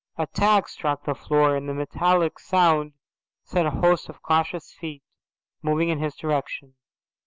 A tag struck the floor and the metallic sound set a host of cautious feet moving in his direction.